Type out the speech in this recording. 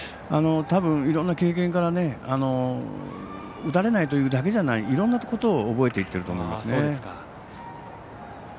たぶん、いろんな経験から打たれないというだけじゃないいろんなことを覚えていっていると思います。